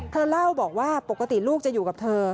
เธอเล่าบอกว่าปกติลูกจะอยู่กับเธอ